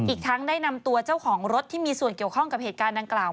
อีกทั้งได้นำตัวเจ้าของรถที่มีส่วนเกี่ยวข้องกับเหตุการณ์ดังกล่าว